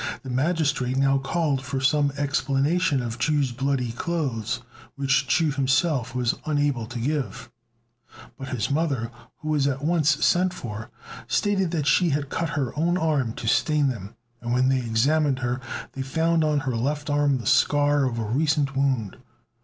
The magistrate now called for some explanation of Chu's bloody clothes, which Chu himself was unable to give; but his mother, who was at once sent for, stated that she had cut her own arm to stain them, and when they examined her they found on her left arm the scar of a recent wound.